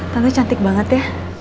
tante cantik banget ya